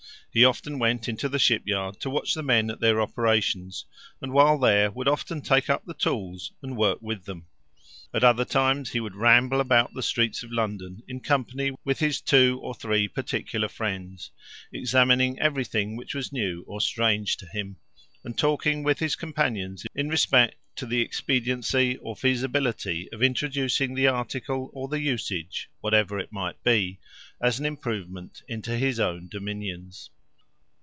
He often went into the ship yard to watch the men at their operations, and while there would often take up the tools and work with them. At other times he would ramble about the streets of London in company with his two or three particular friends, examining every thing which was new or strange to him, and talking with his companions in respect to the expediency or feasibility of introducing the article or the usage, whatever it might be, as an improvement, into his own dominions.